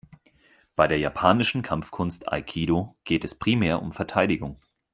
Bei der japanischen Kampfkunst Aikido geht es primär um Verteidigung.